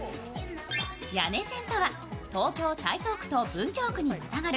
谷根千とは、東京・台東区と文京区にまたがる